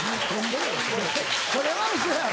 それはウソや。